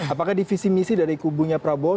apakah divisi misi dari kubunya prabowo